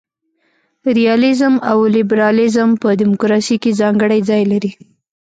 ریالیزم او لیبرالیزم په دموکراسي کي ځانګړی ځای لري.